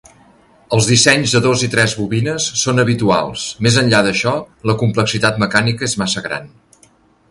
Els dissenys de dos i tres bobines són habituals; més enllà d'això, la complexitat mecànica és massa gran.